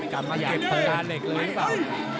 กลับมาเก็บพังงาเหล็กเลยหรือเปล่า